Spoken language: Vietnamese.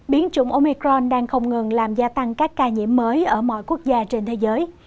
biến chủng omicron đang không ngừng làm gia tăng các ca nhiễm mới ở mọi quốc gia trên thế giới